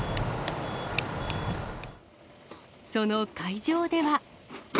その会場では。